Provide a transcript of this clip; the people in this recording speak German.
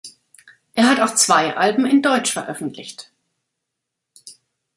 Er hat auch zwei Alben in deutsch veröffentlicht.